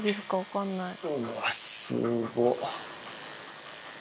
うわ、すごっ。